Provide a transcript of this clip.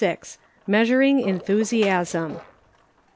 MEASURING ENTHUSIASM.